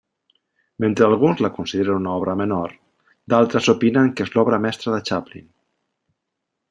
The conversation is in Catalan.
Mentre alguns la consideren una obra menor, d'altres opinen que és l'obra mestra de Chaplin.